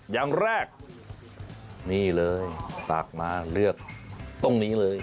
อย่างแรกนี่เลยตักมาเลือกตรงนี้เลย